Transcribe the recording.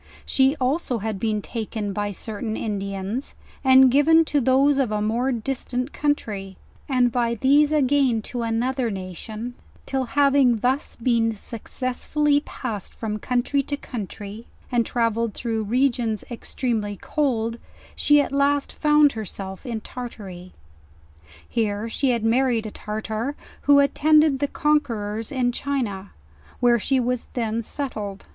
She also had been taken by certain Indians, and given to those of a more distant country; and by these again to another nation, till having thus been suc cessively passed from country to country, and travelled through regions extremely cold, she at last found herself in Tartary. Here she had married a Tartar, who had attend ed tliQ conquerors in China, where she was then settled.